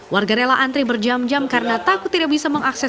warga rela antri berjam jam karena takut tidak bisa mengakses